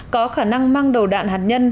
có khả năng mang đầu đạn hạt nhân